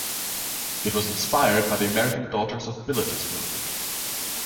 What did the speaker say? It was inspired by the American Daughters of Bilitis movement.